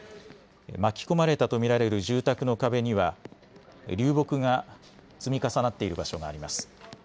巻き込まれたと見られる住宅の壁には流木が積み重なっている場所があります